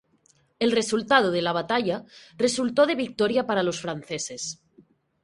El resultado de la batalla resultó de victoria para los franceses.